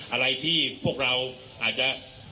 อะไรที่พวกเราอาจจะ